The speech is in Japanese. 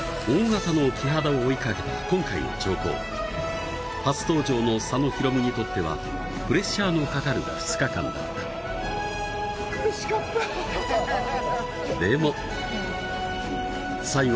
大型のキハダを追いかけた今回の釣行初登場の佐野ヒロムにとってはプレッシャーのかかる２日間だった苦しかった！